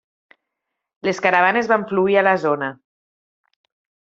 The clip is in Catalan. Les caravanes van fluir a la zona.